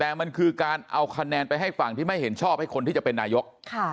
แต่มันคือการเอาคะแนนไปให้ฝั่งที่ไม่เห็นชอบให้คนที่จะเป็นนายก